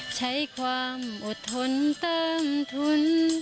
ใช้ความอดทนเติมทุน